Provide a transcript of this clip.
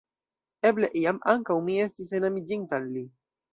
Eble, iam, ankaŭ mi estis enamiĝinta al li.